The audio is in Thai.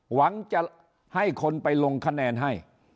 หวังจะให้คนไปลงคะแนนให้